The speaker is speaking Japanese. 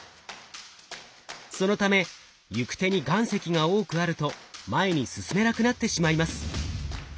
そのため行く手に岩石が多くあると前に進めなくなってしまいます。